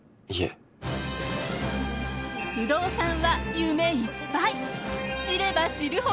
不動産は夢いっぱい。